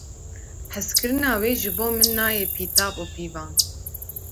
Hezkirina wê ji bo min nayê pîtav û pîvan.